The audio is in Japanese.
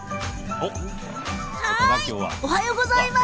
おはようございます。